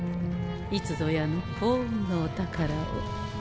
いつぞやの幸運のお宝を。